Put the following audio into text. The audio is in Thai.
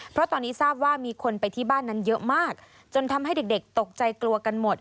เพราะตอนนี้ทราบว่ามีคนไปที่บ้านนั้นเยอะมากจนทำให้เด็กตกใจกลัวกันหมด